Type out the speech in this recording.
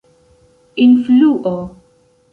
influo